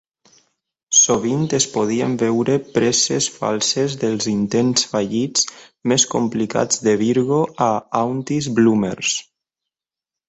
Sovint es podien veure presses falses dels intents fallits més complicats de Virgo a "Auntie's Blommers".